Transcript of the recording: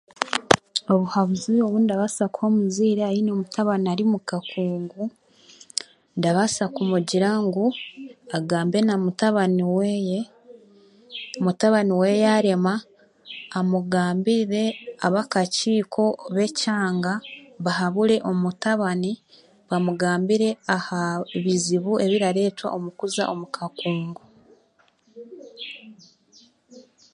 Obuhabuzi obu ndabaasa kuha omuzaire aine omutabani ari omu kakungu, ndabasa kumugira ngu agambe na mutabani weeye, mutabani weeye yaarema amugambire ab'akakiiko b'ekyanga bahabure omutabani bamugambire aha bizibu ebiraretwa omukuza omu kakungu